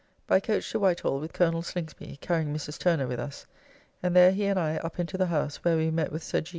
By coach to Whitehall with Colonel Slingsby (carrying Mrs. Turner with us) and there he and I up into the house, where we met with Sir G.